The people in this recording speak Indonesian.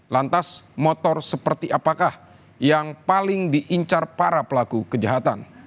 lantas motor seperti apakah yang paling diincar para pelaku kejahatan